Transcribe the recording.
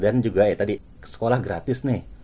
dan juga ya tadi sekolah gratis nih